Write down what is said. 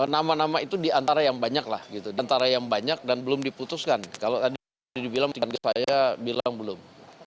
nama nama itu di antara yang banyak lah gitu di antara yang banyak dan belum diputuskan kalau tadi sudah dibilang tiga nama saya bilang belum